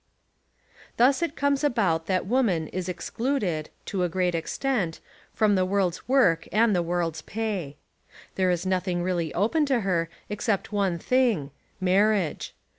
Thus it comes about that woman is ex cluded, to a great extent, from the world's work and the world's pay. There is nothing really open to her except one thing, — marriage.